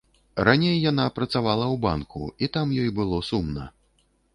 Раней яна працавала ў банку і там ёй было сумна.